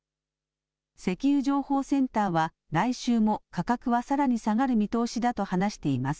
石油情報センターは来週も価格はさらに下がる見通しだと話しています。